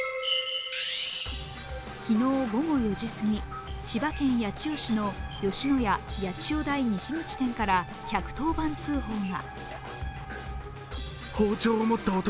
昨日、午後４時すぎ千葉県八千代市の吉野家八千代台西口店から１１０番通報が。